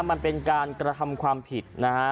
มันเป็นการกระทำความผิดนะฮะ